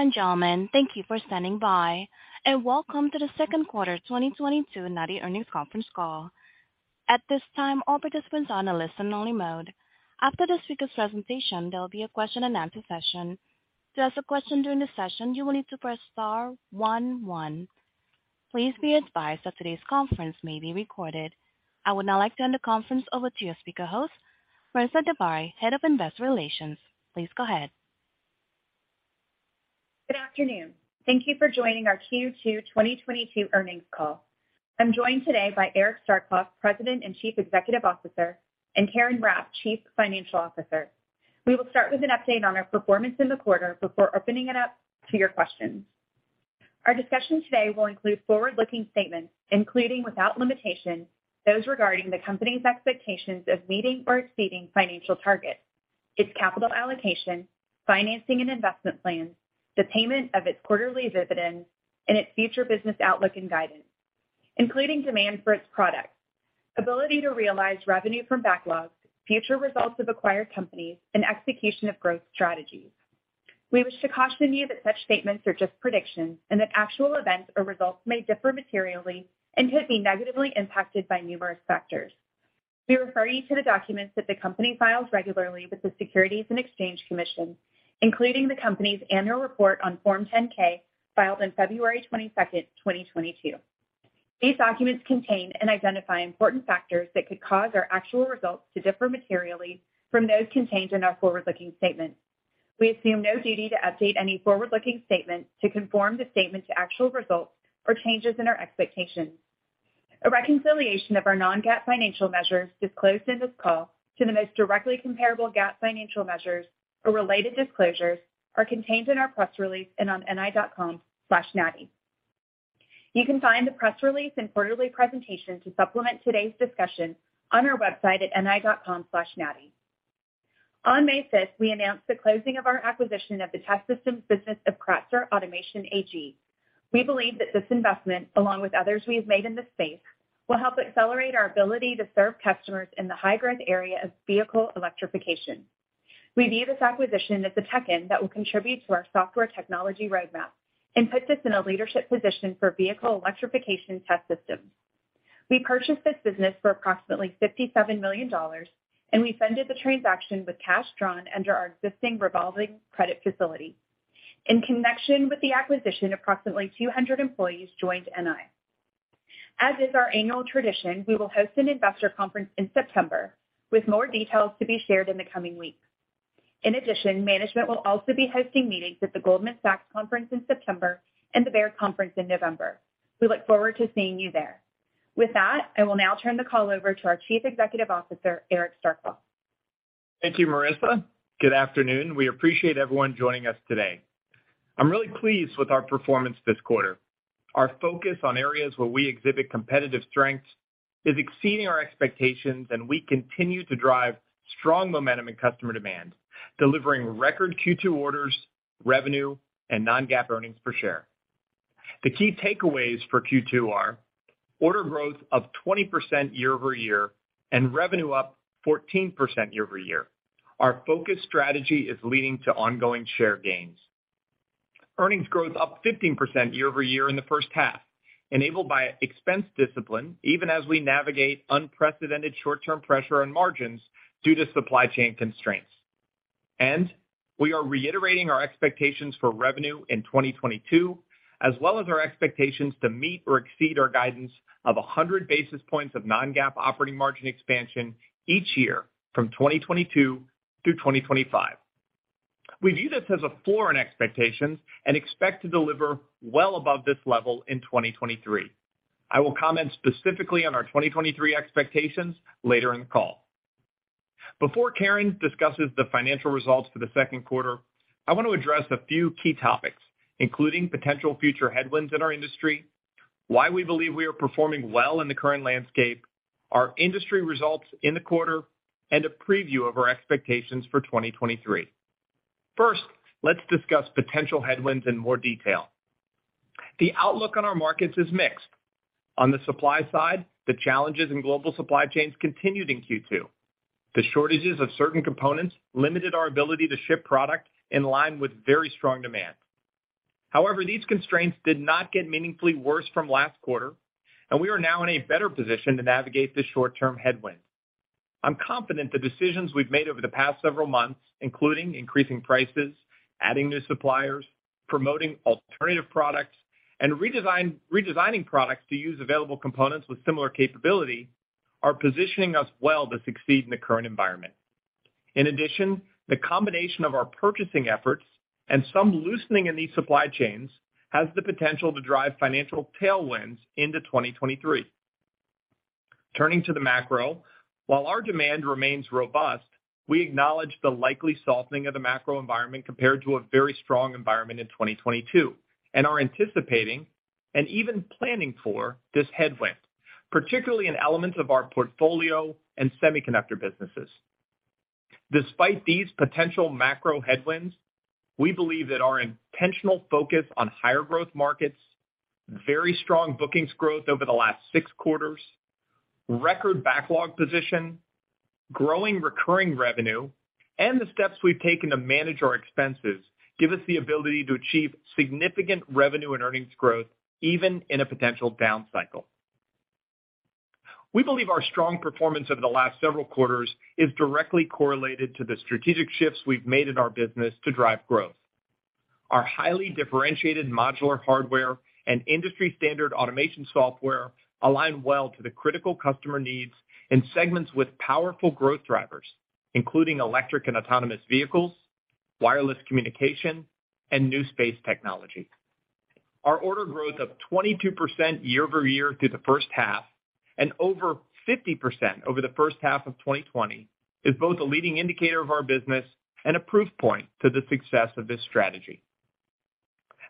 Ladies and gentlemen, thank you for standing by, and welcome to the second quarter 2022 NI earnings conference call. At this time, all participants are on a listen only mode. After the speaker's presentation, there'll be a question and answer session. To ask a question during the session, you will need to press star one one. Please be advised that today's conference may be recorded. I would now like to hand the conference over to your speaker host, Marissa Vidaurri, Head of Investor Relations. Please go ahead. Good afternoon. Thank you for joining our Q2 2022 earnings call. I'm joined today by Eric Starkloff, President and Chief Executive Officer, and Karen Rapp, Chief Financial Officer. We will start with an update on our performance in the quarter before opening it up to your questions. Our discussion today will include forward-looking statements, including, without limitation, those regarding the company's expectations of meeting or exceeding financial targets, its capital allocation, financing and investment plans, the payment of its quarterly dividends, and its future business outlook and guidance, including demand for its products, ability to realize revenue from backlogs, future results of acquired companies, and execution of growth strategies. We wish to caution you that such statements are just predictions, and that actual events or results may differ materially and could be negatively impacted by numerous factors. We refer you to the documents that the company files regularly with the Securities and Exchange Commission, including the company's annual report on Form 10-K, filed on February 22nd, 2022. These documents contain and identify important factors that could cause our actual results to differ materially from those contained in our forward-looking statements. We assume no duty to update any forward-looking statements to conform the statement to actual results or changes in our expectations. A reconciliation of our non-GAAP financial measures disclosed in this call to the most directly comparable GAAP financial measures or related disclosures are contained in our press release and on ni.com/nati. You can find the press release and quarterly presentation to supplement today's discussion on our website at ni.com/nati. On May 5th, we announced the closing of our acquisition of the test systems business of Kratzer Automation AG. We believe that this investment, along with others we have made in this space, will help accelerate our ability to serve customers in the high-growth area of vehicle electrification. We view this acquisition as a tuck-in that will contribute to our software technology roadmap and puts us in a leadership position for vehicle electrification test systems. We purchased this business for approximately $57 million, and we funded the transaction with cash drawn under our existing revolving credit facility. In connection with the acquisition, approximately 200 employees joined NI. As is our annual tradition, we will host an investor conference in September, with more details to be shared in the coming weeks. In addition, management will also be hosting meetings at the Goldman Sachs conference in September and the Baird conference in November. We look forward to seeing you there. With that, I will now turn the call over to our Chief Executive Officer, Eric Starkloff. Thank you, Marissa. Good afternoon. We appreciate everyone joining us today. I'm really pleased with our performance this quarter. Our focus on areas where we exhibit competitive strengths is exceeding our expectations, and we continue to drive strong momentum in customer demand, delivering record Q2 orders, revenue, and non-GAAP earnings per share. The key takeaways for Q2 are order growth of 20% year-over-year and revenue up 14% year-over-year. Our focused strategy is leading to ongoing share gains. Earnings growth up 15% year-over-year in the first half, enabled by expense discipline, even as we navigate unprecedented short-term pressure on margins due to supply chain constraints. We are reiterating our expectations for revenue in 2022, as well as our expectations to meet or exceed our guidance of 100 basis points of non-GAAP operating margin expansion each year from 2022 through 2025. We view this as a floor in expectations and expect to deliver well above this level in 2023. I will comment specifically on our 2023 expectations later in the call. Before Karen discusses the financial results for the second quarter, I want to address a few key topics, including potential future headwinds in our industry, why we believe we are performing well in the current landscape, our industry results in the quarter, and a preview of our expectations for 2023. First, let's discuss potential headwinds in more detail. The outlook on our markets is mixed. On the supply side, the challenges in global supply chains continued in Q2. The shortages of certain components limited our ability to ship product in line with very strong demand. However, these constraints did not get meaningfully worse from last quarter, and we are now in a better position to navigate the short-term headwind. I'm confident the decisions we've made over the past several months, including increasing prices, adding new suppliers, promoting alternative products, and redesigning products to use available components with similar capability, are positioning us well to succeed in the current environment. In addition, the combination of our purchasing efforts and some loosening in these supply chains has the potential to drive financial tailwinds into 2023. Turning to the macro, while our demand remains robust, we acknowledge the likely softening of the macro environment compared to a very strong environment in 2022 and are anticipating and even planning for this headwind, particularly in elements of our Portfolio and Semiconductor businesses. Despite these potential macro headwinds, we believe that our intentional focus on higher growth markets, very strong bookings growth over the last six quarters. Record backlog position, growing recurring revenue, and the steps we've taken to manage our expenses give us the ability to achieve significant revenue and earnings growth even in a potential down cycle. We believe our strong performance over the last several quarters is directly correlated to the strategic shifts we've made in our business to drive growth. Our highly differentiated modular hardware and industry standard automation software align well to the critical customer needs in segments with powerful growth drivers, including electric and autonomous vehicles, wireless communication, and new space technology. Our order growth of 22% year-over-year through the first half and over 50% over the first half of 2020 is both a leading indicator of our business and a proof point to the success of this strategy.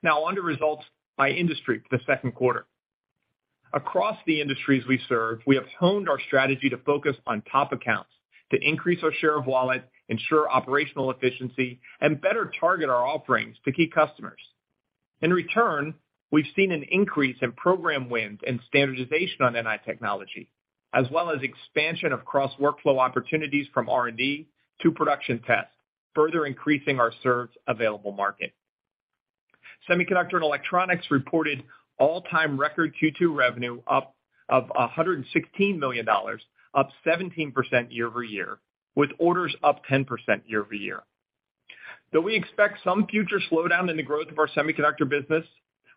Now on to results by industry for the second quarter. Across the industries we serve, we have honed our strategy to focus on top accounts, to increase our share of wallet, ensure operational efficiency, and better target our offerings to key customers. In return, we've seen an increase in program wins and standardization on NI technology, as well as expansion of cross-workflow opportunities from R&D to production test, further increasing our served available market. Semiconductor and Electronics reported all-time record Q2 revenue of $116 million, up 17% year-over-year, with orders up 10% year-over-year. Though we expect some future slowdown in the growth of our Semiconductor business,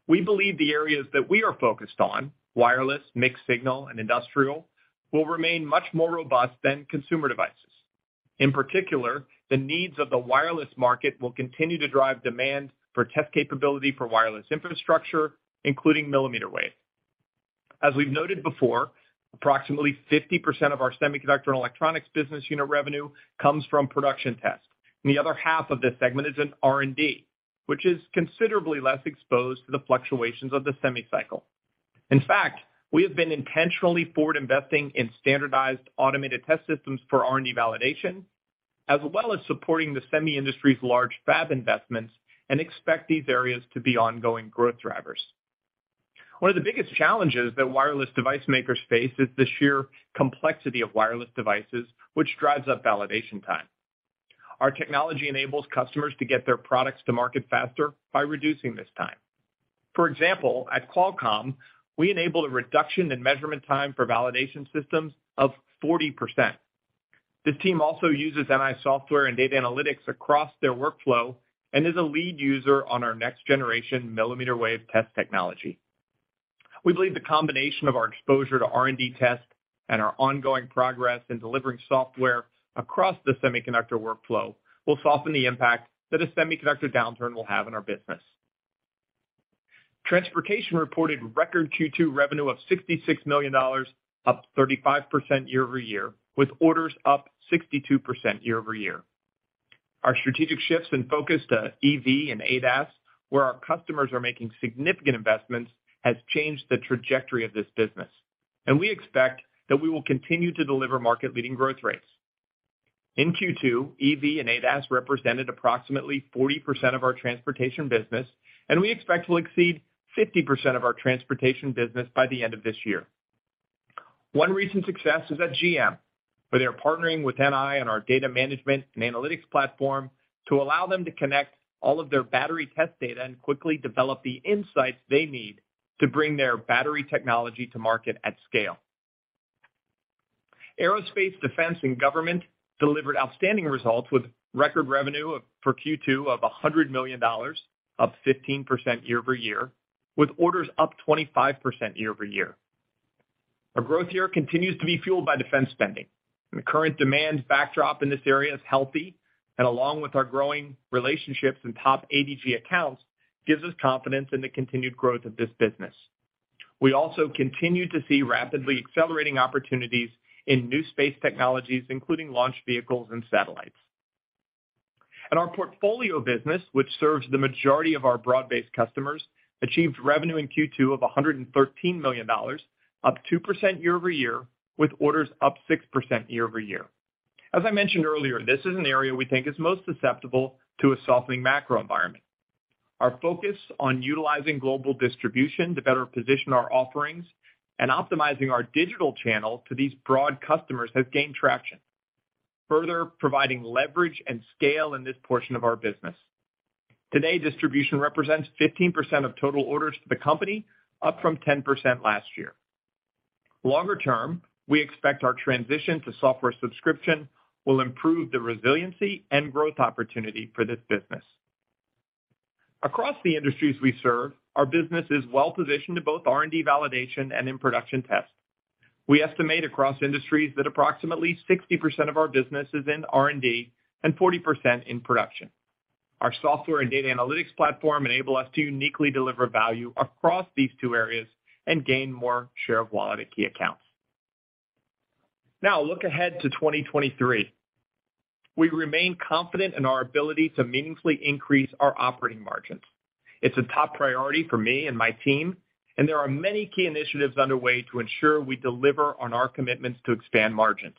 we believe the areas that we are focused on, wireless, mixed signal, and industrial, will remain much more robust than consumer devices. In particular, the needs of the wireless market will continue to drive demand for test capability for wireless infrastructure, including millimeter wave. As we've noted before, approximately 50% of our Semiconductor and Electronics business unit revenue comes from production test, and the other half of this segment is in R&D, which is considerably less exposed to the fluctuations of the semi cycle. In fact, we have been intentionally forward-investing in standardized automated test systems for R&D validation, as well as supporting the semi industry's large fab investments and expect these areas to be ongoing growth drivers. One of the biggest challenges that wireless device makers face is the sheer complexity of wireless devices, which drives up validation time. Our technology enables customers to get their products to market faster by reducing this time. For example, at Qualcomm, we enable a reduction in measurement time for validation systems of 40%. This team also uses NI software and data analytics across their workflow and is a lead user on our next-generation millimeter wave test technology. We believe the combination of our exposure to R&D test and our ongoing progress in delivering software across the semiconductor workflow will soften the impact that a semiconductor downturn will have on our business. Transportation reported record Q2 revenue of $66 million, up 35% year-over-year, with orders up 62% year-over-year. Our strategic shifts and focus to EV and ADAS, where our customers are making significant investments, has changed the trajectory of this business, and we expect that we will continue to deliver market-leading growth rates. In Q2, EV and ADAS represented approximately 40% of our Transportation business, and we expect to exceed 50% of our Transportation business by the end of this year. One recent success is at GM, where they are partnering with NI on our data management and analytics platform to allow them to connect all of their battery test data and quickly develop the insights they need to bring their battery technology to market at scale. Aerospace, Defense, and Government delivered outstanding results with record revenue of $100 million for Q2, up 15% year-over-year, with orders up 25% year-over-year. Our growth here continues to be fueled by defense spending, and the current demand backdrop in this area is healthy, and along with our growing relationships in top ADG accounts, gives us confidence in the continued growth of this business. We also continue to see rapidly accelerating opportunities in new space technologies, including launch vehicles and satellites. Our Portfolio business, which serves the majority of our broad-based customers, achieved revenue in Q2 of $113 million, up 2% year-over-year, with orders up 6% year-over-year. As I mentioned earlier, this is an area we think is most susceptible to a softening macro environment. Our focus on utilizing global distribution to better position our offerings and optimizing our digital channel to these broad customers has gained traction, further providing leverage and scale in this portion of our business. Today, distribution represents 15% of total orders to the company, up from 10% last year. Longer term, we expect our transition to software subscription will improve the resiliency and growth opportunity for this business. Across the industries we serve, our business is well positioned to both R&D validation and in production test. We estimate across industries that approximately 60% of our business is in R&D and 40% in production. Our software and data analytics platform enable us to uniquely deliver value across these two areas and gain more share of wallet at key accounts. Now a look ahead to 2023. We remain confident in our ability to meaningfully increase our operating margins. It's a top priority for me and my team, and there are many key initiatives underway to ensure we deliver on our commitments to expand margins.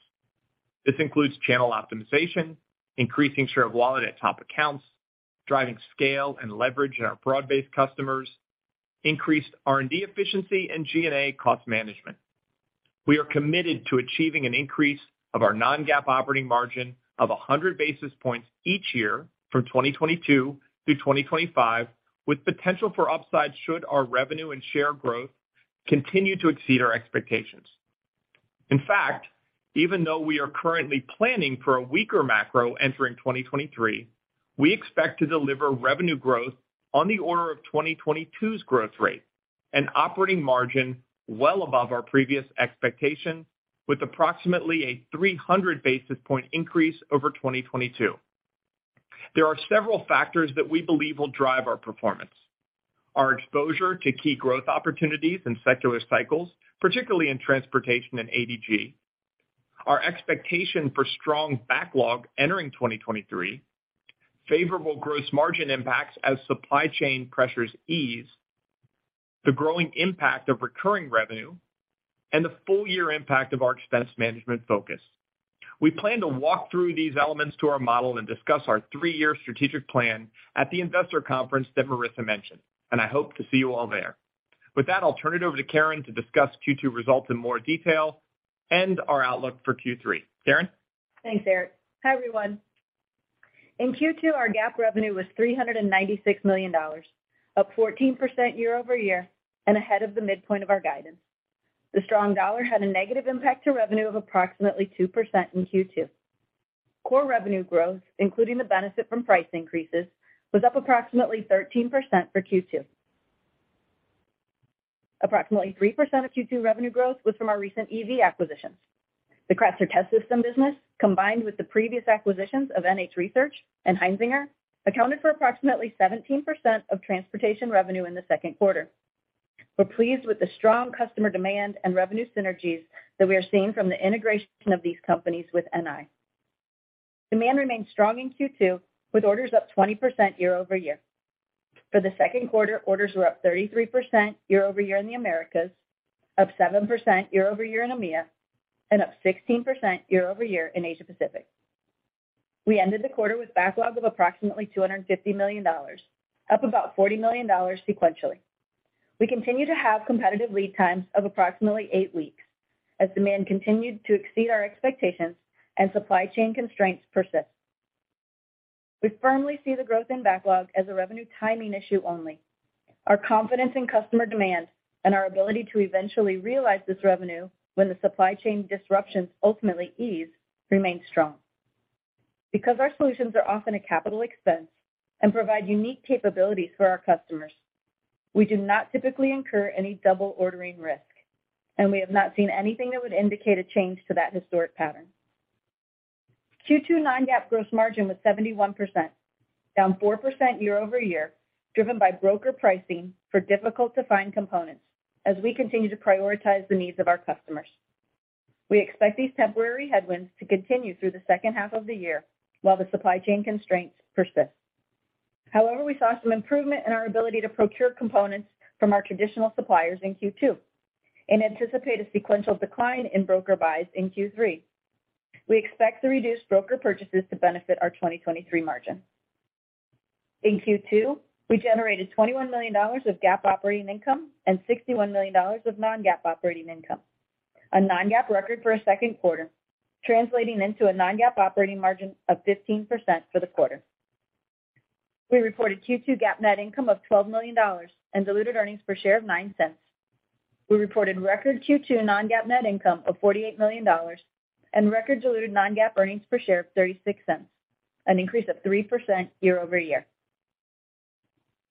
This includes channel optimization, increasing share of wallet at top accounts, driving scale and leverage in our broad-based customers, increased R&D efficiency and G&A cost management. We are committed to achieving an increase of our non-GAAP operating margin of 100 basis points each year from 2022 through 2025, with potential for upside should our revenue and share growth continue to exceed our expectations. In fact, even though we are currently planning for a weaker macro entering 2023, we expect to deliver revenue growth on the order of 2022's growth rate and operating margin well above our previous expectation, with approximately a 300 basis point increase over 2022. There are several factors that we believe will drive our performance. Our exposure to key growth opportunities and secular cycles, particularly in Transportation and ADG, our expectation for strong backlog entering 2023, favorable gross margin impacts as supply chain pressures ease, the growing impact of recurring revenue, and the full year impact of our expense management focus. We plan to walk through these elements to our model and discuss our 3-year strategic plan at the investor conference that Marissa mentioned, and I hope to see you all there. With that, I'll turn it over to Karen to discuss Q2 results in more detail and our outlook for Q3. Karen? Thanks, Eric. Hi, everyone. In Q2, our GAAP revenue was $396 million, up 14% year-over-year and ahead of the midpoint of our guidance. The strong dollar had a negative impact to revenue of approximately 2% in Q2. Core revenue growth, including the benefit from price increases, was up approximately 13% for Q2. Approximately 3% of Q2 revenue growth was from our recent EV acquisitions. The Kratzer test systems business, combined with the previous acquisitions of NH Research and Heinzinger Automotive GmbH, accounted for approximately 17% of Transportation revenue in the second quarter. We're pleased with the strong customer demand and revenue synergies that we are seeing from the integration of these companies with NI. Demand remained strong in Q2, with orders up 20% year-over-year. For the second quarter, orders were up 33% year over year in the Americas, up 7% year over year in EMEA, and up 16% year over year in Asia Pacific. We ended the quarter with backlogs of approximately $250 million, up about $40 million sequentially. We continue to have competitive lead times of approximately eight weeks as demand continued to exceed our expectations and supply chain constraints persist. We firmly see the growth in backlog as a revenue timing issue only. Our confidence in customer demand and our ability to eventually realize this revenue when the supply chain disruptions ultimately ease remains strong. Because our solutions are often a capital expense and provide unique capabilities for our customers, we do not typically incur any double ordering risk, and we have not seen anything that would indicate a change to that historic pattern. Q2 non-GAAP gross margin was 71%, down 4% year-over-year, driven by broker pricing for difficult-to-find components as we continue to prioritize the needs of our customers. We expect these temporary headwinds to continue through the second half of the year while the supply chain constraints persist. However, we saw some improvement in our ability to procure components from our traditional suppliers in Q2 and anticipate a sequential decline in broker buys in Q3. We expect the reduced broker purchases to benefit our 2023 margin. In Q2, we generated $21 million of GAAP operating income and $61 million of non-GAAP operating income, a non-GAAP record for a second quarter, translating into a non-GAAP operating margin of 15% for the quarter. We reported Q2 GAAP net income of $12 million and diluted earnings per share of $0.09. We reported record Q2 non-GAAP net income of $48 million and record diluted non-GAAP earnings per share of $0.36, an increase of 3% year-over-year.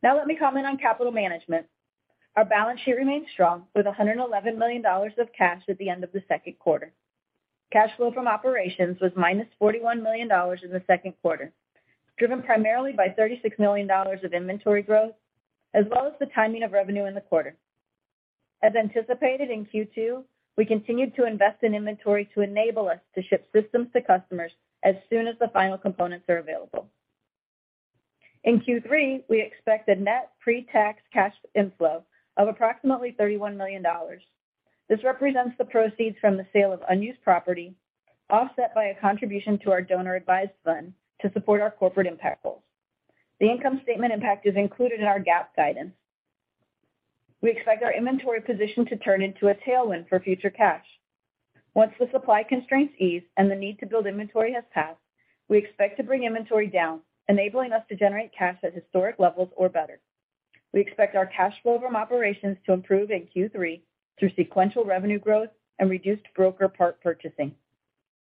Now, let me comment on capital management. Our balance sheet remains strong with $111 million of cash at the end of the second quarter. Cash flow from operations was -$41 million in the second quarter, driven primarily by $36 million of inventory growth as well as the timing of revenue in the quarter. As anticipated in Q2, we continued to invest in inventory to enable us to ship systems to customers as soon as the final components are available. In Q3, we expect a net pre-tax cash inflow of approximately $31 million. This represents the proceeds from the sale of unused property, offset by a contribution to our donor-advised fund to support our corporate impact goals. The income statement impact is included in our GAAP guidance. We expect our inventory position to turn into a tailwind for future cash. Once the supply constraints ease and the need to build inventory has passed, we expect to bring inventory down, enabling us to generate cash at historic levels or better. We expect our cash flow from operations to improve in Q3 through sequential revenue growth and reduced broker part purchasing.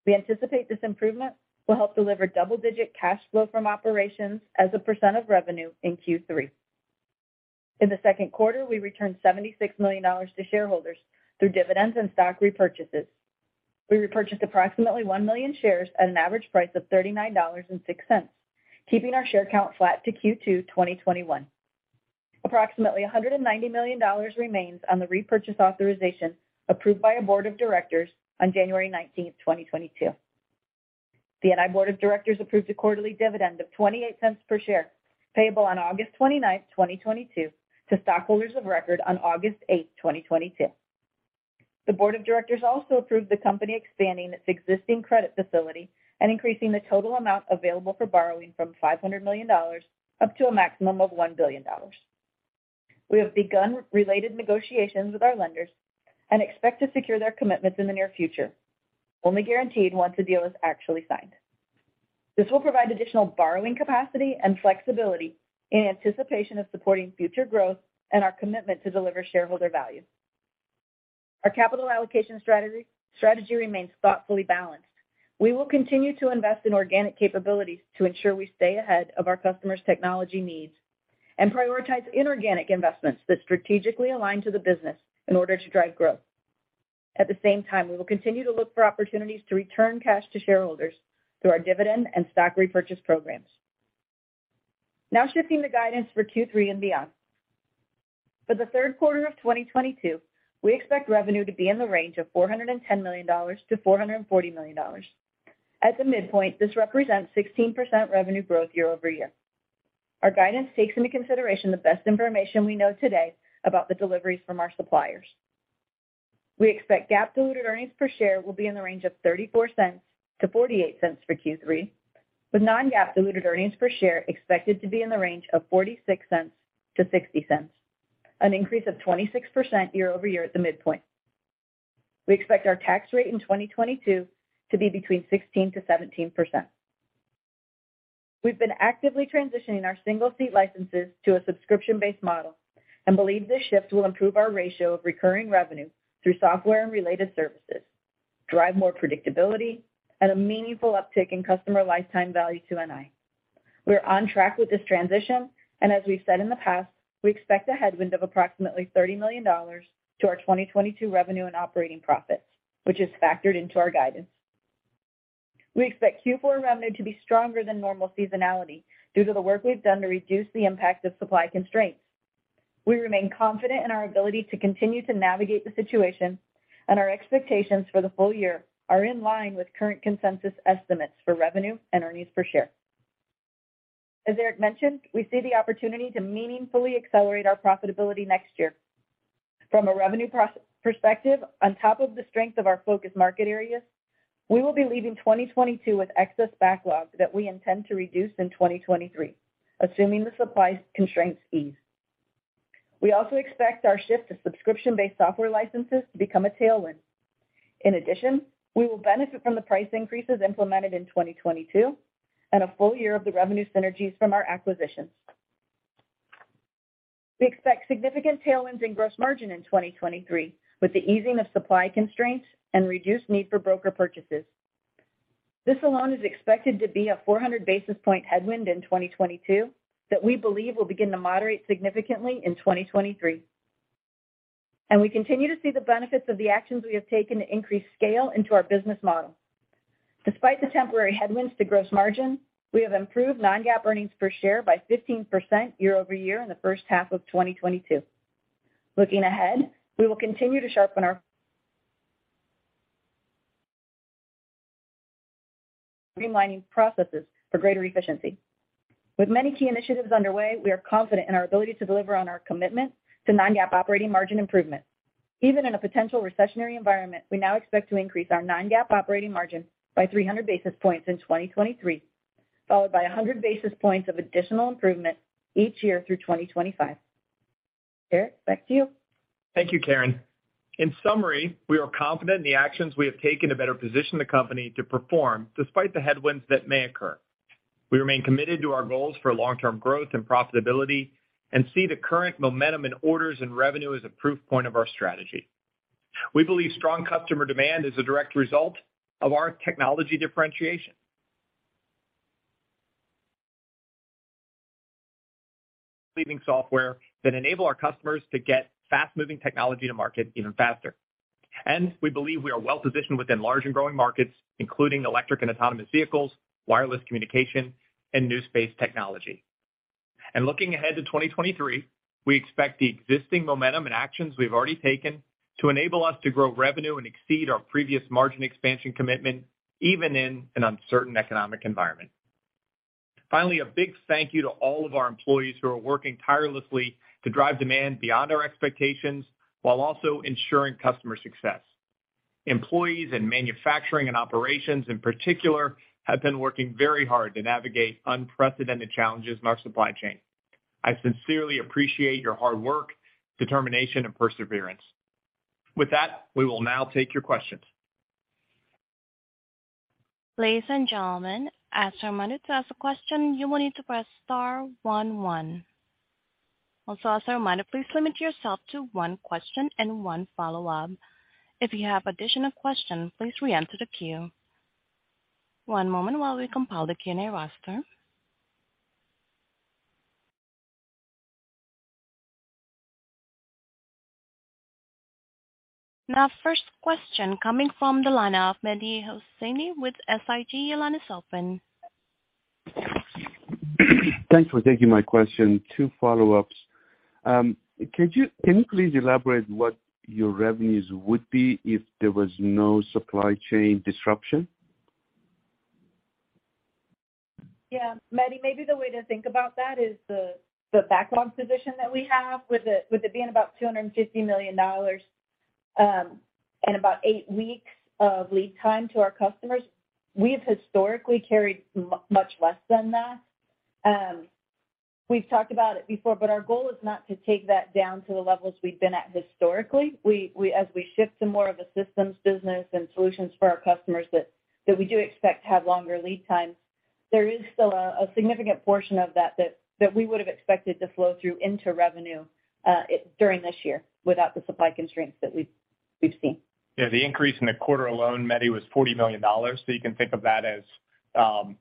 We anticipate this improvement will help deliver double-digit cash flow from operations as a percent of revenue in Q3. In the second quarter, we returned $76 million to shareholders through dividends and stock repurchases. We repurchased approximately 1 million shares at an average price of $39.06, keeping our share count flat to Q2 2021. Approximately $190 million remains on the repurchase authorization approved by our board of directors on January 19th, 2022. The NI board of directors approved a quarterly dividend of $0.28 per share, payable on August 29th, 2022 to stockholders of record on August 8th, 2022. The board of directors also approved the company expanding its existing credit facility and increasing the total amount available for borrowing from $500 million up to a maximum of $1 billion. We have begun related negotiations with our lenders and expect to secure their commitments in the near future, only guaranteed once the deal is actually signed. This will provide additional borrowing capacity and flexibility in anticipation of supporting future growth and our commitment to deliver shareholder value. Our capital allocation strategy remains thoughtfully balanced. We will continue to invest in organic capabilities to ensure we stay ahead of our customers' technology needs and prioritize inorganic investments that strategically align to the business in order to drive growth. At the same time, we will continue to look for opportunities to return cash to shareholders through our dividend and stock repurchase programs. Now shifting to guidance for Q3 and beyond. For the third quarter of 2022, we expect revenue to be in the range of $410 million-$440 million. At the midpoint, this represents 16% revenue growth year-over-year. Our guidance takes into consideration the best information we know today about the deliveries from our suppliers. We expect GAAP diluted earnings per share will be in the range of $0.34-$0.48 for Q3, with non-GAAP diluted earnings per share expected to be in the range of $0.46-$0.60, an increase of 26% year-over-year at the midpoint. We expect our tax rate in 2022 to be 16%-17%. We've been actively transitioning our single-seat software licenses to a subscription-based licensing model and believe this shift will improve our ratio of recurring revenue through software and related services, drive more predictability and a meaningful uptick in customer lifetime value to NI. We are on track with this transition, and as we've said in the past, we expect a headwind of approximately $30 million to our 2022 revenue and operating profits, which is factored into our guidance. We expect Q4 revenue to be stronger than normal seasonality due to the work we've done to reduce the impact of supply constraints. We remain confident in our ability to continue to navigate the situation, and our expectations for the full year are in line with current consensus estimates for revenue and earnings per share. As Eric mentioned, we see the opportunity to meaningfully accelerate our profitability next year. From a revenue perspective, on top of the strength of our focus market areas, we will be leaving 2022 with excess backlog that we intend to reduce in 2023, assuming the supply constraints ease. We also expect our shift to subscription-based licensing model to become a tailwind. In addition, we will benefit from the price increases implemented in 2022 and a full year of the revenue synergies from our acquisitions. We expect significant tailwinds in gross margin in 2023, with the easing of supply constraints and reduced need for broker purchases. This alone is expected to be a 400 basis point headwind in 2022 that we believe will begin to moderate significantly in 2023. We continue to see the benefits of the actions we have taken to increase scale into our business model. Despite the temporary headwinds to gross margin, we have improved non-GAAP earnings per share by 15% year-over-year in the first half of 2022. Looking ahead, we will continue to sharpen our streamlining processes for greater efficiency. With many key initiatives underway, we are confident in our ability to deliver on our commitment to non-GAAP operating margin improvement. Even in a potential recessionary environment, we now expect to increase our non-GAAP operating margin by 300 basis points in 2023, followed by 100 basis points of additional improvement each year through 2025. Eric, back to you. Thank you, Karen. In summary, we are confident in the actions we have taken to better position the company to perform despite the headwinds that may occur. We remain committed to our goals for long-term growth and profitability and see the current momentum in orders and revenue as a proof point of our strategy. We believe strong customer demand is a direct result of our technology differentiation. Leading software that enable our customers to get fast-moving technology to market even faster. We believe we are well positioned within large and growing markets, including electric and autonomous vehicles, wireless communication, and new space technology. Looking ahead to 2023, we expect the existing momentum and actions we've already taken to enable us to grow revenue and exceed our previous margin expansion commitment, even in an uncertain economic environment. Finally, a big thank you to all of our employees who are working tirelessly to drive demand beyond our expectations while also ensuring customer success. Employees in manufacturing and operations, in particular, have been working very hard to navigate unprecedented challenges in our supply chain. I sincerely appreciate your hard work, determination, and perseverance. With that, we will now take your questions. Ladies and gentlemen, as a reminder, to ask a question, you will need to press star one one. Also, as a reminder, please limit yourself to one question and one follow-up. If you have additional questions, please re-enter the queue. One moment while we compile the Q&A roster. Now first question coming from the line of Mehdi Hosseini with SIG. Your line is open. Thanks for taking my question. Two follow-ups. Can you please elaborate what your revenues would be if there was no supply chain disruption? Yeah. Mehdi, maybe the way to think about that is the backlog position that we have with it, with it being about $250 million, and about eight weeks of lead time to our customers. We've historically carried much less than that. We've talked about it before, but our goal is not to take that down to the levels we've been at historically. As we shift to more of a systems business and solutions for our customers that we do expect to have longer lead times, there is still a significant portion of that we would have expected to flow through into revenue during this year without the supply constraints that we've seen. Yeah, the increase in the quarter alone, Mehdi, was $40 million. You can think of that as,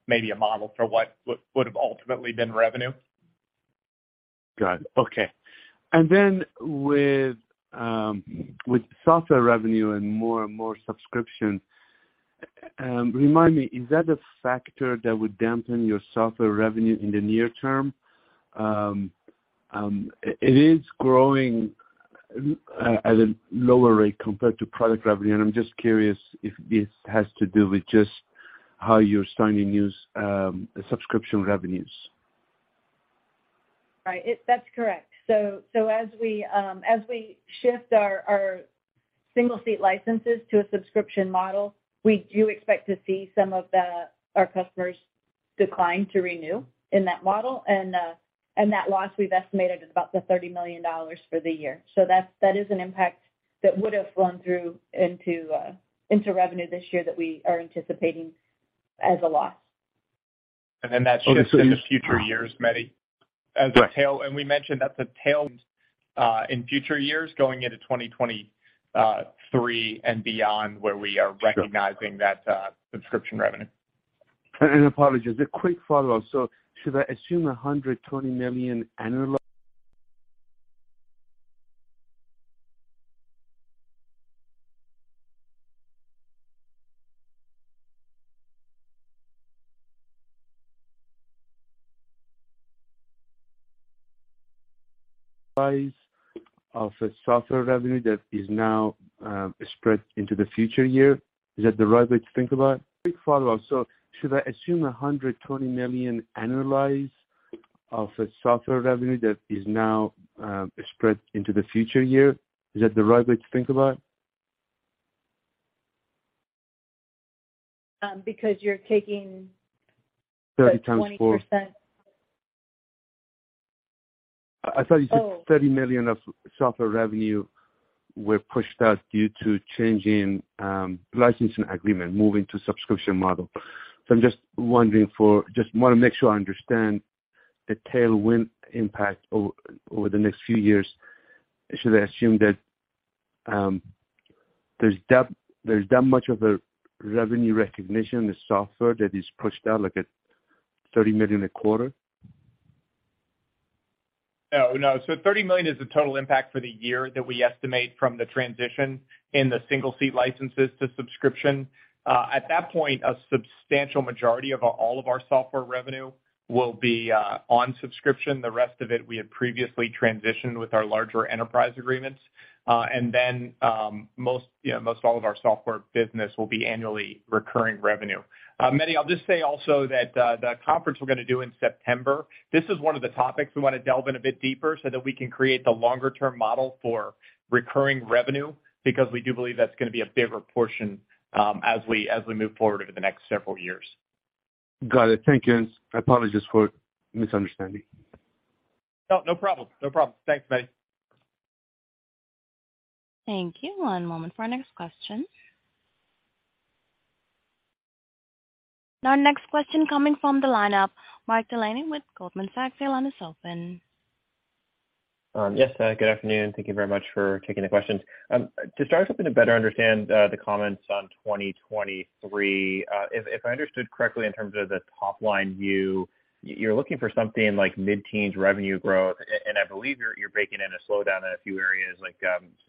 maybe a model for what would have ultimately been revenue. Got it. Okay. With software revenue and more and more subscription, remind me, is that a factor that would dampen your software revenue in the near term? It is growing at a lower rate compared to product revenue, and I'm just curious if this has to do with just how you're starting to use subscription revenues. Right. That's correct. As we shift our single-seat software licenses to a subscription model, we do expect to see some of our customers decline to renew in that model. That loss we've estimated is about $30 million for the year. That is an impact that would have flown through into revenue this year that we are anticipating as a loss. That shifts into future years, Mehdi, as a tail. We mentioned that's a tailwind in future years going into 2023 and beyond, where we are recognizing that subscription revenue. Apologies. A quick follow-up. Should I assume $120 million of annualized software revenue that is now spread into the future year? Is that the right way to think about it? Because you're taking. $30 million times four. the 20%. I thought you said. Oh. $30 million of software revenue were pushed out due to changing licensing agreement, moving to subscription model. I'm just wondering just wanna make sure I understand the tailwind impact over the next few years. Should I assume that there's that much of a revenue recognition in the software that is pushed out, like at $30 million a quarter? Oh, no. $30 million is the total impact for the year that we estimate from the transition in the single-seat software licenses to subscription. At that point, a substantial majority of all of our software revenue will be on subscription. The rest of it, we had previously transitioned with our larger enterprise agreements. Most, you know, most all of our software business will be annually recurring revenue. Mehdi, I'll just say also that the conference we're gonna do in September, this is one of the topics we wanna delve in a bit deeper so that we can create the longer-term model for recurring revenue, because we do believe that's gonna be a bigger portion, as we move forward over the next several years. Got it. Thank you. I apologize for misunderstanding. No problem. Thanks, Mehdi. Thank you. One moment for our next question. Our next question coming from the line of Mark Delaney with Goldman Sachs. Your line is open. Yes, good afternoon. Thank you very much for taking the questions. To start, helping to better understand the comments on 2023, if I understood correctly in terms of the top-line view, you're looking for something like mid-teens revenue growth. I believe you're baking in a slowdown in a few areas like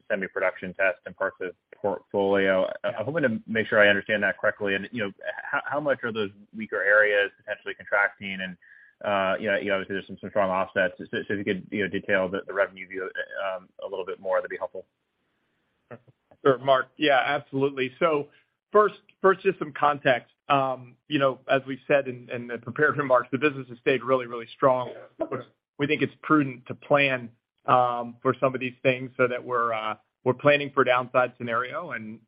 semi-production tests and parts of Portfolio. I'm hoping to make sure I understand that correctly, and, you know, how much are those weaker areas potentially contracting? And you know, obviously, there's some strong offsets. If you could, you know, detail the revenue view a little bit more, that'd be helpful. Sure, Mark. Yeah, absolutely. First, just some context. You know, as we said in the prepared remarks, the business has stayed really strong. We think it's prudent to plan for some of these things so that we're planning for downside scenario and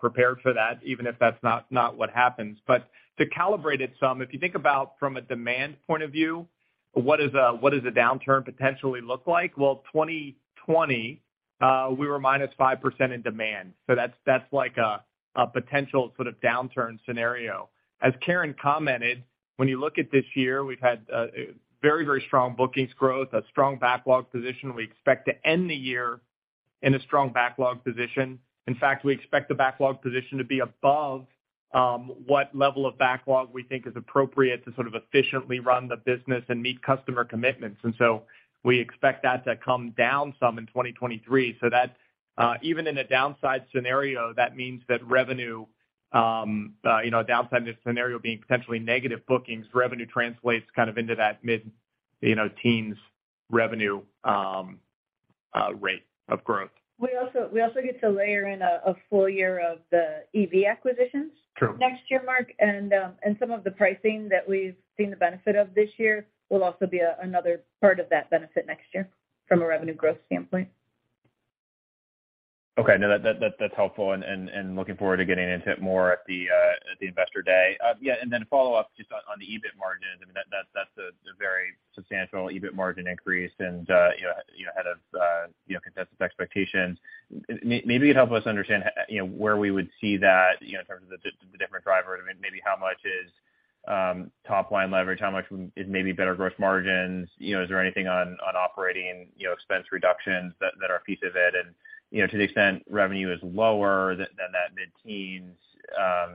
prepared for that, even if that's not what happens. To calibrate it some, if you think about from a demand point of view, what does a downturn potentially look like? Well, 2020, we were -5% in demand. So that's like a potential sort of downturn scenario. As Karen commented, when you look at this year, we've had very strong bookings growth, a strong backlog position. We expect to end the year in a strong backlog position. In fact, we expect the backlog position to be above what level of backlog we think is appropriate to sort of efficiently run the business and meet customer commitments. We expect that to come down some in 2023. That, even in a downside scenario, that means that revenue. You know, a downside in this scenario being potentially negative bookings revenue translates kind of into that mid-teens you know revenue rate of growth. We also get to layer in a full year of the EV acquisitions. True. Next year, Mark, and some of the pricing that we've seen the benefit of this year will also be another part of that benefit next year from a revenue growth standpoint. Okay. No. That's helpful and looking forward to getting into it more at the Investor Day. Yeah, and then a follow-up just on the EBIT margin. I mean, that's a very substantial EBIT margin increase and, you know, ahead of consensus expectations. Maybe you'd help us understand, you know, where we would see that, you know, in terms of the different drivers. I mean, maybe how much is top line leverage, how much is maybe better gross margins, you know, is there anything on operating expense reductions that are a piece of it? You know, to the extent revenue is lower than that mid-teens,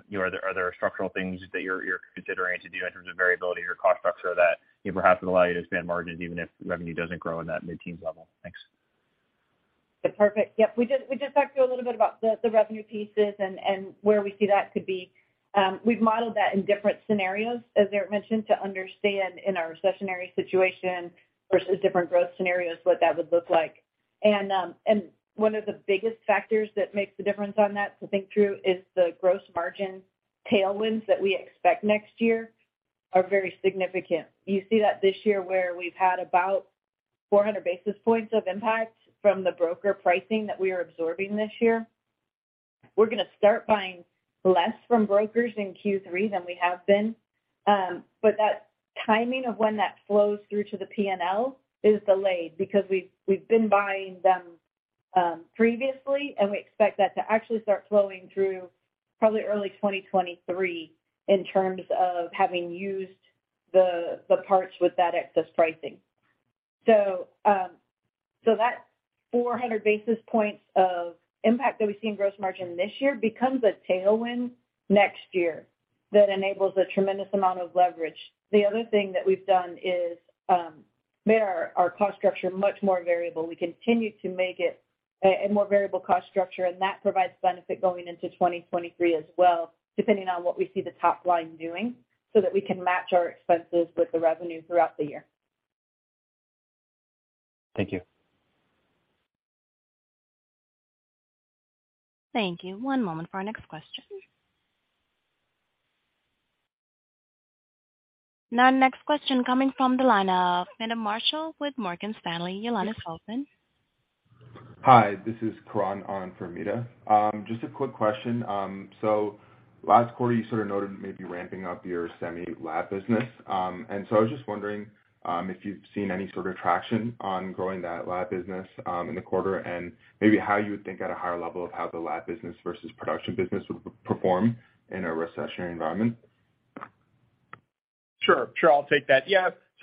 you know, are there structural things that you're considering to do in terms of variability or cost structure that perhaps would allow you to expand margins even if revenue doesn't grow in that mid-teens level? Thanks. Perfect. Yep. We did talk to you a little bit about the revenue pieces and where we see that could be. We've modeled that in different scenarios, as Eric mentioned, to understand in our recessionary situation versus different growth scenarios, what that would look like. One of the biggest factors that makes the difference on that to think through is the gross margin tailwinds that we expect next year are very significant. You see that this year where we've had about 400 basis points of impact from the broker pricing that we are absorbing this year. We're gonna start buying less from brokers in Q3 than we have been. That timing of when that flows through to the P&L is delayed because we've been buying them previously, and we expect that to actually start flowing through probably early 2023 in terms of having used the parts with that excess pricing. That 400 basis points of impact that we see in gross margin this year becomes a tailwind next year that enables a tremendous amount of leverage. The other thing that we've done is made our cost structure much more variable. We continue to make it a more variable cost structure, and that provides benefit going into 2023 as well, depending on what we see the top line doing, so that we can match our expenses with the revenue throughout the year. Thank you. Thank you. One moment for our next question. Now, next question coming from the line of Meta Marshall with Morgan Stanley. Your line is open. Hi, this is Karan on for Meta. Just a quick question. Last quarter, you sort of noted maybe ramping up your semi lab business. I was just wondering if you've seen any sort of traction on growing that lab business in the quarter, and maybe how you would think at a higher level of how the lab business versus production business would perform in a recessionary environment. Sure. I'll take that.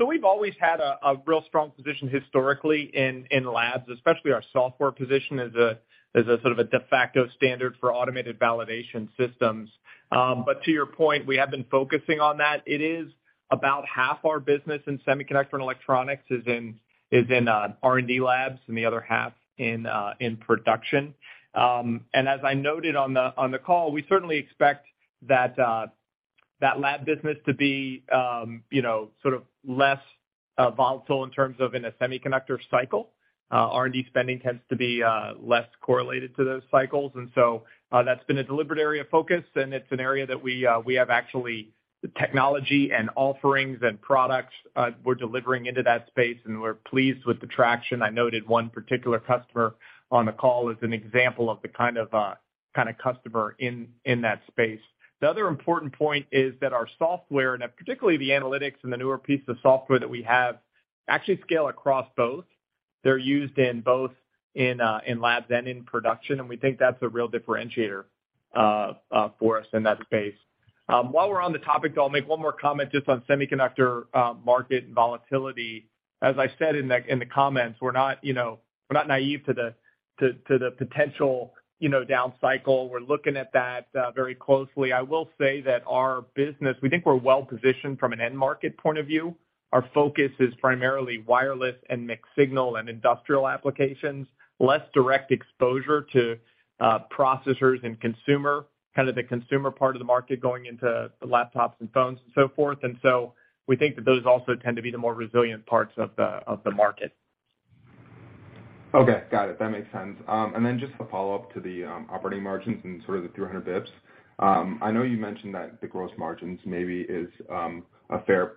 Yeah. We've always had a real strong position historically in labs, especially our software position as a sort of a de facto standard for automated validation systems. But to your point, we have been focusing on that. It is about half our business in Semiconductor and Electronics in R&D labs and the other half in production. As I noted on the call, we certainly expect that lab business to be, you know, sort of less volatile in terms of a semiconductor cycle. R&D spending tends to be less correlated to those cycles, and so that's been a deliberate area of focus, and it's an area that we have actually the technology and offerings and products we're delivering into that space, and we're pleased with the traction. I noted one particular customer on the call as an example of the kind of customer in that space. The other important point is that our software, and particularly the analytics and the newer pieces of software that we have, actually scale across both. They're used in both labs and in production, and we think that's a real differentiator for us in that space. While we're on the topic, though, I'll make one more comment just on Semiconductor market volatility. As I said in the comments, we're not, you know, naive to the potential, you know, down cycle. We're looking at that very closely. I will say that our business, we think we're well positioned from an end market point of view. Our focus is primarily wireless and mixed signal and industrial applications, less direct exposure to processors and consumer, kind of the consumer part of the market going into laptops and phones and so forth. We think that those also tend to be the more resilient parts of the market. Okay. Got it. That makes sense. Just a follow-up to the operating margins and sort of the 300 basis points. I know you mentioned that the gross margins maybe is a fair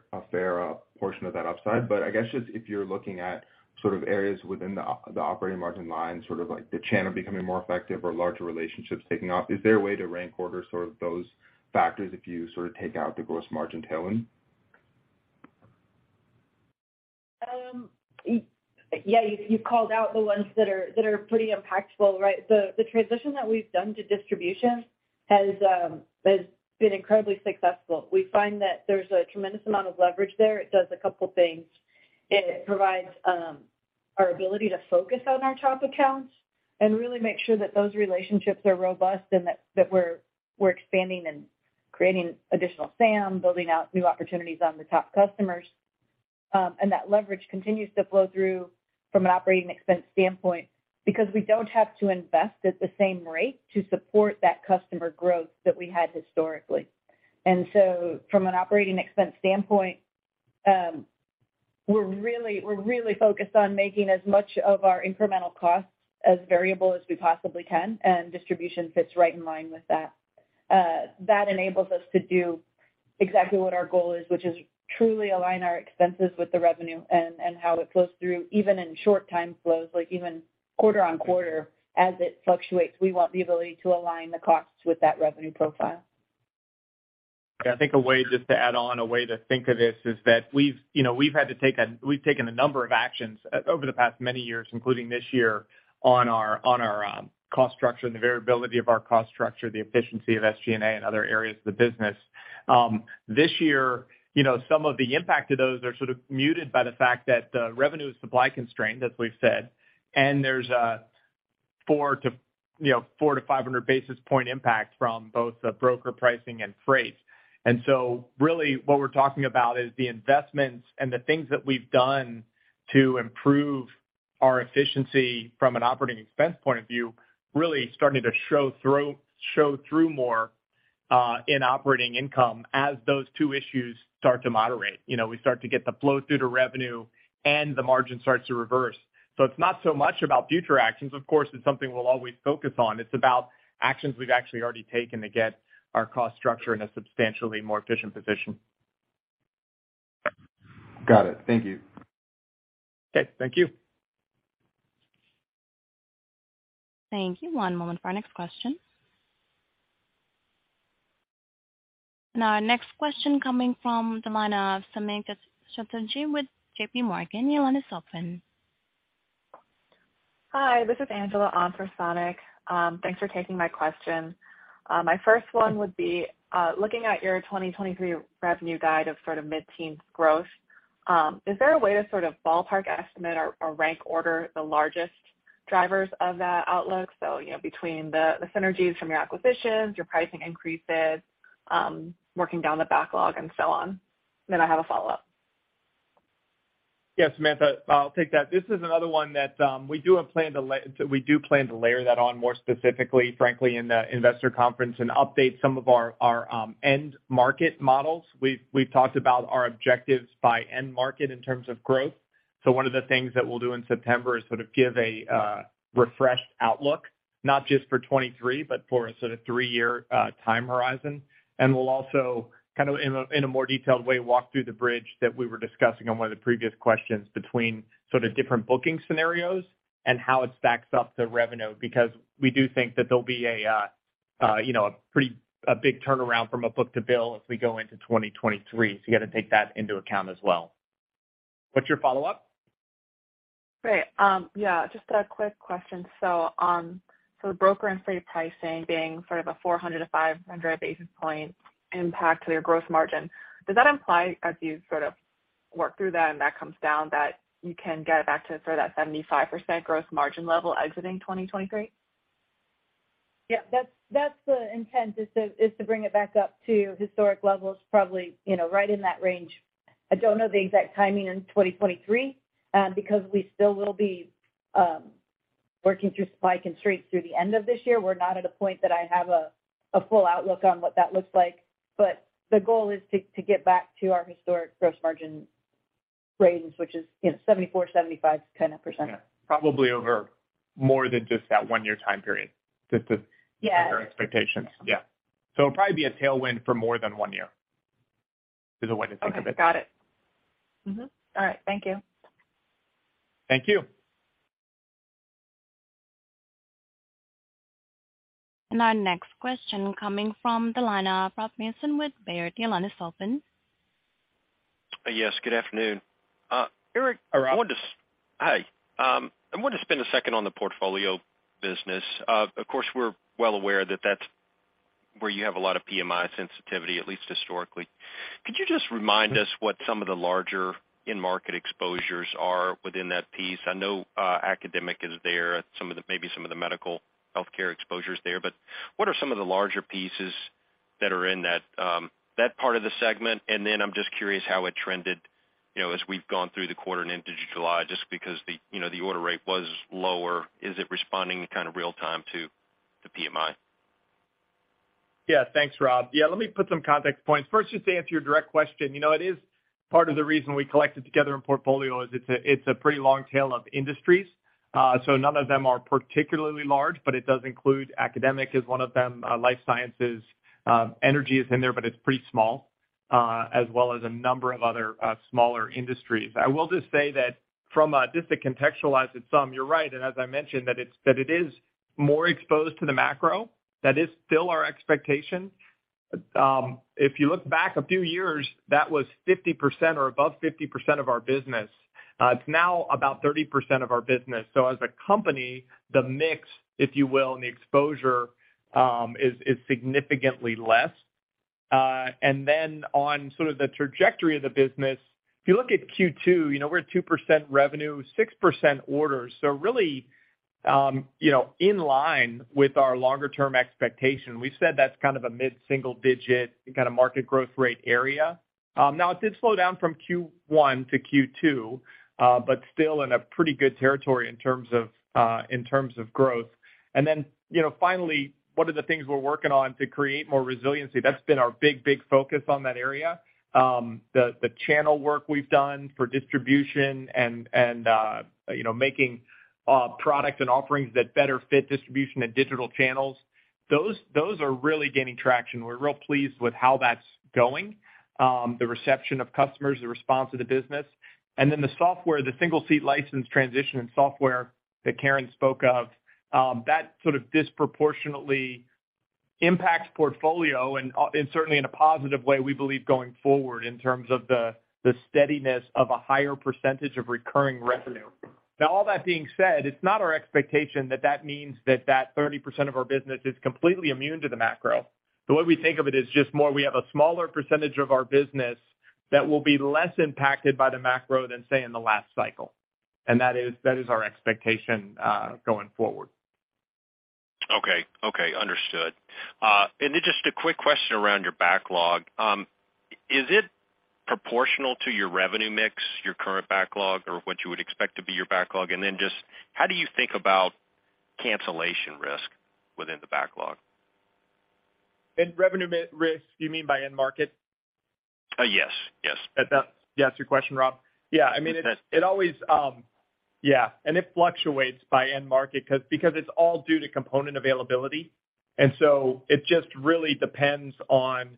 portion of that upside, but I guess just if you're looking at sort of areas within the the operating margin line, sort of like the channel becoming more effective or larger relationships taking off, is there a way to rank order sort of those factors if you sort of take out the gross margin tailwind? Yeah, you called out the ones that are pretty impactful, right? The transition that we've done to distribution has been incredibly successful. We find that there's a tremendous amount of leverage there. It does a couple things. It provides our ability to focus on our top accounts and really make sure that those relationships are robust and that we're expanding and creating additional SAM, building out new opportunities on the top customers. That leverage continues to flow through from an operating expense standpoint because we don't have to invest at the same rate to support that customer growth that we had historically. From an operating expense standpoint, we're really focused on making as much of our incremental costs as variable as we possibly can, and distribution fits right in line with that. That enables us to do exactly what our goal is, which is truly align our expenses with the revenue and how it flows through, even in short time flows, like even quarter-over-quarter as it fluctuates, we want the ability to align the costs with that revenue profile. Yeah. I think a way just to add on, a way to think of this is that we've, you know, taken a number of actions over the past many years, including this year on our cost structure and the variability of our cost structure, the efficiency of SG&A and other areas of the business. This year, you know, some of the impact of those are sort of muted by the fact that the revenue is supply constrained, as we've said. There's a 400-500 basis point impact from both the broker pricing and freight. Really what we're talking about is the investments and the things that we've done to improve our efficiency from an operating expense point of view, really starting to show through more in operating income as those two issues start to moderate. You know, we start to get the flow through to revenue and the margin starts to reverse. It's not so much about future actions. Of course, it's something we'll always focus on. It's about actions we've actually already taken to get our cost structure in a substantially more efficient position. Got it. Thank you. Okay. Thank you. Thank you. One moment for our next question. Our next question coming from the line of Samik Chatterjee with JPMorgan. Your line is open. Hi, this is Angela on for Samik. Thanks for taking my question. My first one would be, looking at your 2023 revenue guide of sort of mid-teens growth, is there a way to sort of ballpark estimate or rank order the largest drivers of that outlook? You know, between the synergies from your acquisitions, your pricing increases, working down the backlog and so on. I have a follow-up. Yeah, [Angela], I'll take that. This is another one that we do plan to layer that on more specifically, frankly, in the investor conference and update some of our end market models. We've talked about our objectives by end market in terms of growth. One of the things that we'll do in September is sort of give a refreshed outlook, not just for 2023, but for a sort of 3-year time horizon. We'll also kind of in a more detailed way walk through the bridge that we were discussing on one of the previous questions between sort of different booking scenarios and how it stacks up to revenue. Because we do think that there'll be you know a big turnaround from a book-to-bill as we go into 2023. You got to take that into account as well. What's your follow-up? Great. Just a quick question. For the broker and freight pricing being sort of a 400-500 basis points impact to your gross margin, does that imply as you sort of work through that and that comes down, that you can get back to sort of that 75% gross margin level exiting 2023? Yeah. That's the intent to bring it back up to historic levels, probably, you know, right in that range. I don't know the exact timing in 2023, because we still will be working through supply constraints through the end of this year. We're not at a point that I have a full outlook on what that looks like. The goal is to get back to our historic gross margin range, which is, you know, 74%-75% kind of. Yeah. Probably over more than just that one-year time period. Yeah. Your expectations. Yeah. It'll probably be a tailwind for more than one year, is a way to think of it. Okay. Got it. All right. Thank you. Thank you. Our next question coming from the line of Rob Mason with Baird. Your line is open. Yes, good afternoon. Hi, Rob. I want to spend a second on the Portfolio business. Of course, we're well aware that that's where you have a lot of PMI sensitivity, at least historically. Could you just remind us what some of the larger end market exposures are within that piece? I know academic is there, some of the medical healthcare exposure is there, but what are some of the larger pieces that are in that part of the segment? I'm just curious how it trended, you know, as we've gone through the quarter and into July, just because the order rate was lower. Is it responding in kind of real time to the PMI? Yeah. Thanks, Rob. Yeah, let me put some context points. First, just to answer your direct question, you know, it is part of the reason we collect it together in Portfolio is it's a pretty long tail of industries. So none of them are particularly large, but it does include academia is one of them, life sciences. Energy is in there, but it's pretty small, as well as a number of other smaller industries. I will just say that just to contextualize it some, you're right, and as I mentioned, that it is more exposed to the macro. That is still our expectation. If you look back a few years, that was 50% or above 50% of our business. It's now about 30% of our business. As a company, the mix, if you will, and the exposure is significantly less. On sort of the trajectory of the business, if you look at Q2, we're at 2% revenue, 6% orders. Really in line with our longer term expectation, we said that's kind of a mid-single digit kind of market growth rate area. Now it did slow down from Q1 to Q2, but still in a pretty good territory in terms of growth. Finally, what are the things we're working on to create more resiliency? That's been our big focus on that area. The channel work we've done for distribution and you know, making product and offerings that better fit distribution and digital channels, those are really gaining traction. We're real pleased with how that's going, the reception of customers, the response of the business. The software, the single-seat software license transition and software that Karen spoke of, that sort of disproportionately impacts Portfolio and certainly in a positive way, we believe going forward in terms of the steadiness of a higher percentage of recurring revenue. Now all that being said, it's not our expectation that that 30% of our business is completely immune to the macro. The way we think of it is just more we have a smaller percentage of our business that will be less impacted by the macro than, say, in the last cycle. That is our expectation going forward. Okay. Understood. Just a quick question around your backlog. Is it proportional to your revenue mix, your current backlog, or what you would expect to be your backlog? Just how do you think about cancellation risk within the backlog? In revenue risk, you mean by end market? Yes. Yes. Yes, your question, Rob? Yeah. I mean. Okay. It always fluctuates by end market because it's all due to component availability. It just really depends on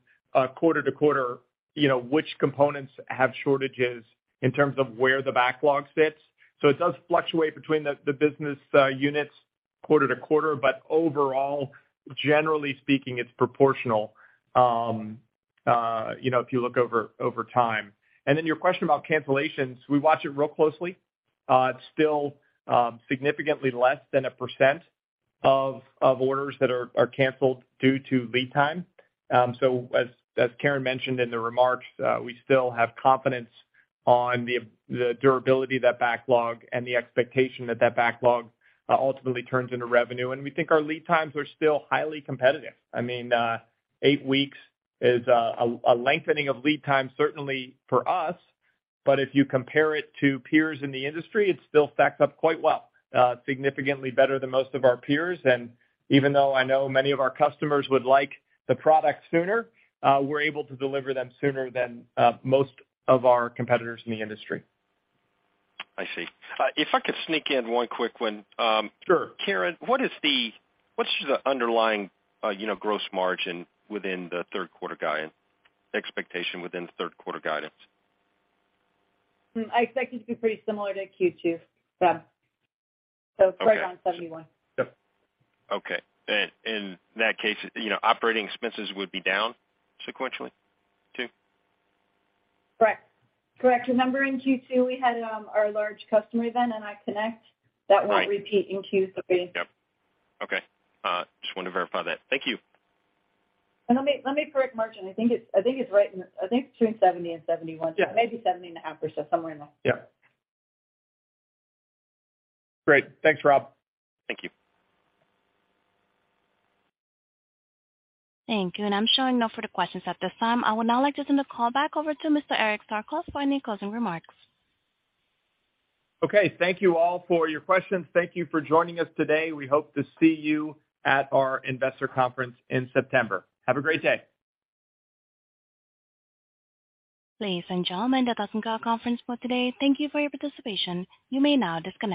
quarter to quarter, you know, which components have shortages in terms of where the backlog sits. It does fluctuate between the business units quarter to quarter, but overall, generally speaking, it's proportional, you know, if you look over time. Your question about cancellations, we watch it real closely. It's still significantly less than 1% of orders that are canceled due to lead time. As Karen mentioned in the remarks, we still have confidence on the durability of that backlog and the expectation that that backlog ultimately turns into revenue. We think our lead times are still highly competitive. I mean, eight weeks is a lengthening of lead time certainly for us, but if you compare it to peers in the industry, it still stacks up quite well, significantly better than most of our peers. Even though I know many of our customers would like the product sooner, we're able to deliver them sooner than most of our competitors in the industry. I see. If I could sneak in one quick one. Sure. Karen, what's just the underlying, you know, gross margin within the third quarter guidance? I expect it to be pretty similar to Q2, Rob. Okay. Around 71%. Yep. Okay. In that case, you know, operating expenses would be down sequentially too? Correct. Remember in Q2, we had our large customer event and NI Connect. Right. That won't repeat in Q3. Yep. Okay. Just wanted to verify that. Thank you. Let me correct margin. I think it's between 70% and 71%. Yeah. Maybe 70.5% or so, somewhere in there. Yeah. Great. Thanks, Rob. Thank you. Thank you. I'm showing no further questions at this time. I would now like to send the call back over to Mr. Eric Starkloff for any closing remarks. Okay. Thank you all for your questions. Thank you for joining us today. We hope to see you at our investor conference in September. Have a great day. Ladies and gentlemen, that does end our conference call today. Thank you for your participation. You may now disconnect.